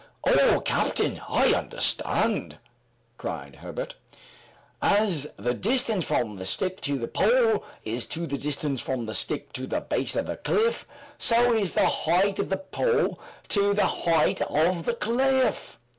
"Ah, captain, I understand!" cried Herbert. "As the distance from the stick to the pole is to the distance from the stick to the base of the cliff, so is the height of the pole to the height of the cliff."